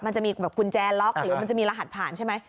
มันจะมีแบบกุญแจล็อกหรือมันจะมีรหัสผ่านใช่ไหม